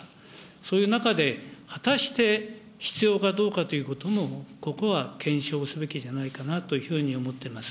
そういう中で果たして必要かどうかということも、ここは検証すべきじゃないかなというふうに思っています。